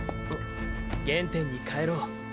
原点に帰ろう。